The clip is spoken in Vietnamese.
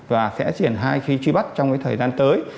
và sẽ diễn hai khi truy bắt trong thời gian tới